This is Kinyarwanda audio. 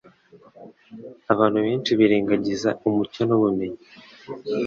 Abantu benshi birengagiza umucyo n’ubumenyi